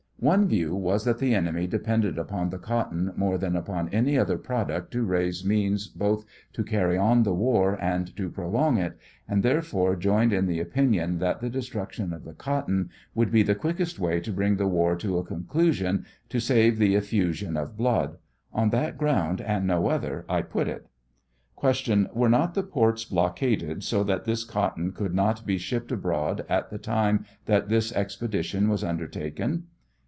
One view was that the enemy depended upon the cotton more than upon any other pi oduct to raise means both to carry on the war and to prolong it, and there fore joined in the opinion that the destruction of the cotton would be the quickest way to bring the war to a conclusion to save the effusion of blood ; on that ground and no other I put it. Q. Were not the ports blockaded so that this cotton could not be shipped abroad at the time that this ex pedition was undertaken